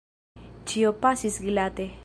Ĉio pasis glate.